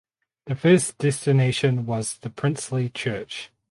The first destination was the Princely Church.